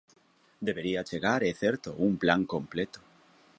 Debería chegar, é certo, un plan completo.